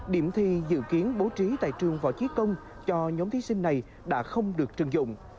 điểm thi dự kiến bố trí tại trường vào thi công cho nhóm thí sinh này đã không được trừng dụng